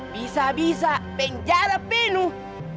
bisa bisa penjara penuh